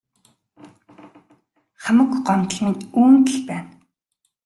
Хамаг гомдол минь үүнд л байна.